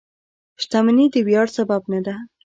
• شتمني د ویاړ سبب نه ده.